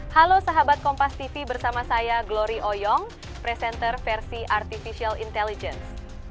halo sahabat kompas tv bersama saya glory oyong presenter versi artificial intelligence